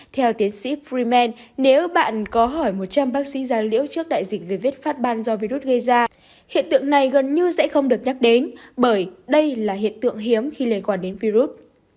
theo tiến sĩ freemen nếu bạn có hỏi một trăm linh bác sĩ da liễu trước đại dịch về vết phát ban do virus gây ra hiện tượng này gần như sẽ không được nhắc đến bởi đây là hiện tượng hiếm khi liên quan đến virus